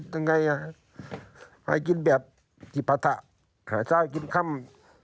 เป็นไงมากินแบบกิบพัฒน์หาเจ้ากินค่ำ